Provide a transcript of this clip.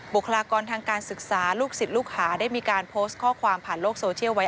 คลากรทางการศึกษาลูกศิษย์ลูกหาได้มีการโพสต์ข้อความผ่านโลกโซเชียลไว้